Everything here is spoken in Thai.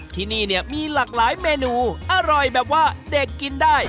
ที่นี่เนี่ยมีหลากหลายเมนูอร่อยแบบว่าเด็กกินได้